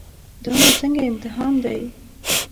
دا نو څنګه امتحان دی.